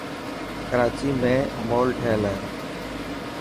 ڪراچي مين مول ٺهيل هي.